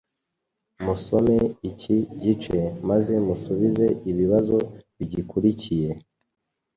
Musome iki gice maze musubize ibibazo bigikurikiye.